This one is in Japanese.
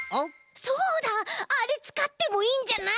そうだあれつかってもいいんじゃない？